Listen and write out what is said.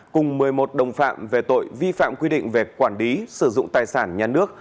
cùng một mươi một đồng phạm về tội vi phạm quy định về quản lý sử dụng tài sản nhà nước